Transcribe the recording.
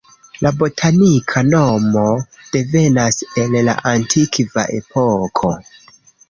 La botanika nomo devenas el la antikva epoko.